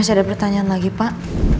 masih ada pertanyaan lagi pak